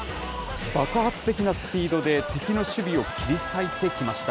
爆発的なスピードで、敵の守備を切り裂いてきました。